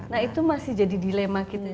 nah itu masih jadi dilema kita